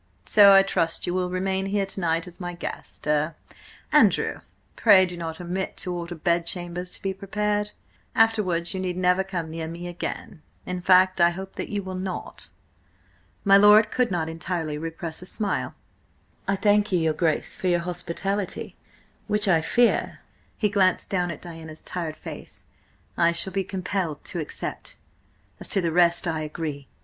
So I trust you will remain here to night as my guest–er, Andrew, pray do not omit to order bed chambers to be prepared— Afterwards you need never come near me again–in fact, I hope that you will not." My lord could not entirely repress a smile. "I thank your Grace for your hospitality, which I fear," he glanced down at Diana's tired face, "I shall be compelled to accept. As to the rest–I agree.